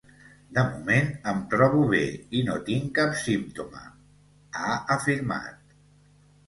De moment em trobo bé i no tinc cap símptoma, ha afirmat.